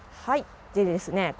はいでですね